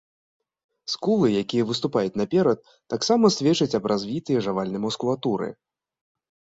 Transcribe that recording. Скулы, якія выступаюць наперад, таксама сведчаць аб развітай жавальнай мускулатуры.